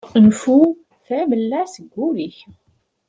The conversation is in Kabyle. Nfu tamella seg ul-ik!